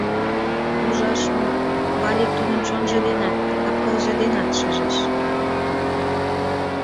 Ужаш мо, Валик тудым чонжо денат, кап-кылже денат шижеш.